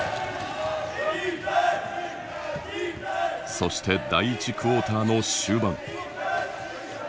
そして第１クォーターの終盤。